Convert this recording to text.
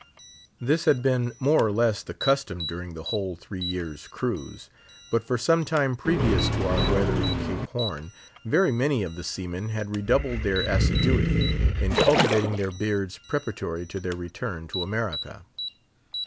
This had been more or less the custom during the whole three years' cruise; but for some time previous to our weathering Cape Horn, very many of the seamen had redoubled their assiduity in cultivating their beards preparatory to their return to America.